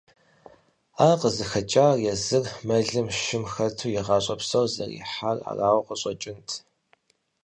Ар къызыхэкӏар езыр мэлым, шым хэту и гъащӏэ псор зэрихьар арауэ къыщӏэкӏынт.